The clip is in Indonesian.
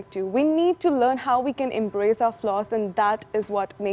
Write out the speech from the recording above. kita harus belajar bagaimana kita dapat mengambil alih kegiatan kita dan itu yang membuat kita